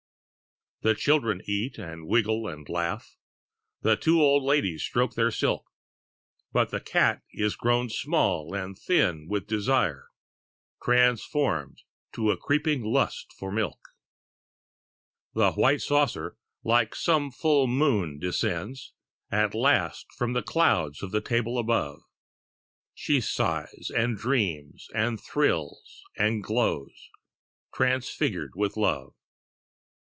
The children eat and wriggle and laugh; The two old ladies stroke their silk: But the cat is grown small and thin with desire, Transformed to a creeping lust for milk: The white saucer like some full moon descends At last from the clouds of the table above; She sighs and dreams and thrills and glows, Transfigured with love.